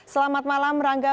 selamat malam rangga